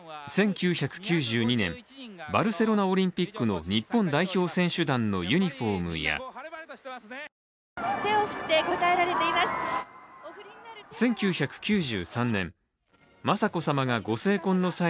１９９２年、バルセロナオリンピックの日本代表選手団のユニフォームや手を振って応えられています。